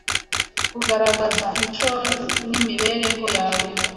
kugaragaza mico n’imibereho yawe.